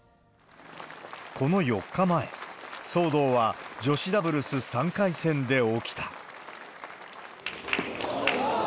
この４日前、騒動は女子ダブルス３回戦で起きた。